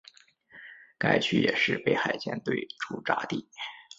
该区也是北海舰队驻扎地。